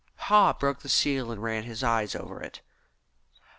Haw broke the seal and ran his eye over it.